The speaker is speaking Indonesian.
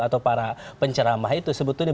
atau para penceramah itu sebetulnya